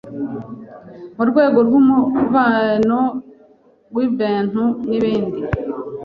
Mu rwego rw’umubeno w’ebentu n’ebendi,